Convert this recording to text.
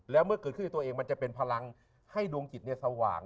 แล้วเมื่อเกิดขึ้นกับตัวเองมันจะเป็นพลังให้ดวงจิตสว่าง